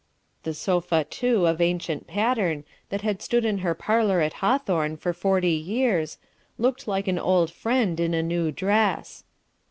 The sofa, too, of ancient pattern, that had stood in her parlour at Hawthorn for forty years, looked like an old friend in a new dress.